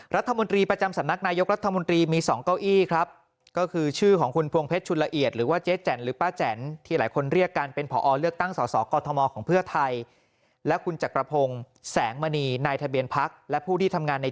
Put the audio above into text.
รัฐมนตรีประจำสำนักนายกรัฐมนตรีมี๒เก้าอี้ครับก็คือชื่อของคุณพวงเพชรชุนละเอียดหรือว่าเจ๊แจ่นหรือป้าแจ๋นที่หลายคนเรียกกันเป็นผอเลือกตั้งสสกมของเพื่อไทยและคุณจักรพงศ์แสงมณีนายทะเบียนพักและผู้ที่ทำงานใน